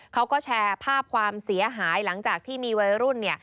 เขาก็แชร์ภาพความเสียหายหลังจากที่มีวัยรุ่น